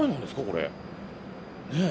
これねえ。